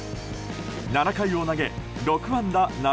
７回を投げ６安打７